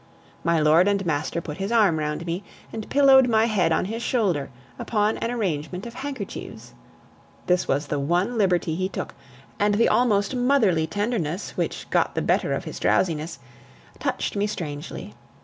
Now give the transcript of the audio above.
My lord and master put his arm round me and pillowed my head on his shoulder, upon an arrangement of handkerchiefs. This was the one liberty he took; and the almost motherly tenderness which got the better of his drowsiness, touched me strangely.